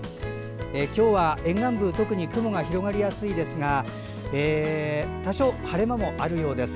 今日は沿岸部特に雲が広がりやすいですが多少晴れ間もあるようです。